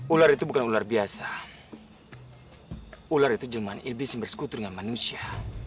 ular itu bukan ular biasa ular itu cuma iblis yang bersekutu dengan manusia